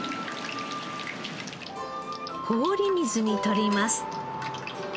氷水にとります。